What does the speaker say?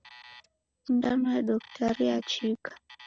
Sindano ya doktari yachika